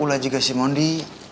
ulah juga si mondi